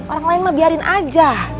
orang lain mah biarin aja